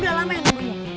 mama mau ngelamen